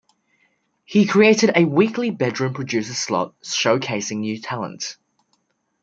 He created a weekly bedroom producer slot showcasing new talent.